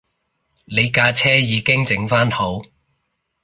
你架車已經整番好